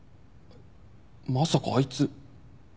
まさかあいつ。